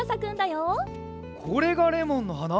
これがレモンのはな？